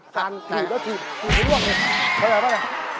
ปัดเขาหยัดไป